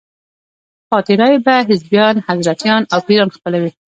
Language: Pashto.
پاتې رایې به حزبیان، حضرتیان او پیران خپلوي.